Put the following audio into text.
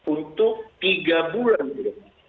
untuk tiga bulan ke depan